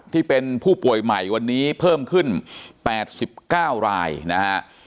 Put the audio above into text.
ที่เป็นผู้ป่วยใหม่วันนี้เพิ่มขึ้น๘๙รายนะฮะ